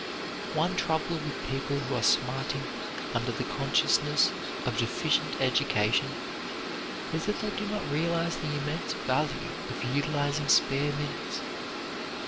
One trouble with people who are smarting under the consciousness of deficient education is that they do not realize the immense value of utilizing spare minutes.